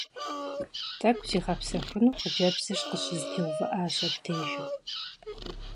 ТӀэкӀу зигъэпсэхуну хъыджэбзыр къыщызэтеувыӀащ абдежым.